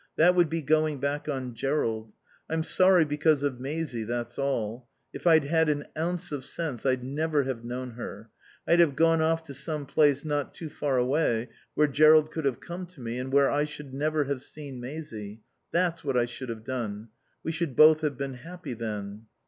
That would be going back on Jerrold. I'm sorry because of Maisie, that's all. If I'd had an ounce of sense I'd never have known her. I'd have gone off to some place not too far away where Jerrold could have come to me and where I should never have seen Maisie. That's what I should have done. We should both have been happy then."